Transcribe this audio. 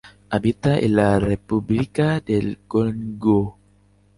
Habita en la República del Congo.